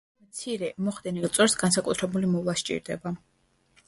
მცირე, მოხდენილ წვერს განსაკუთრებული მოვლა სჭირდება.